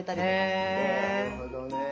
なるほどね。